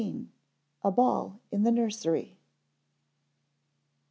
_A Ball in the Nursery.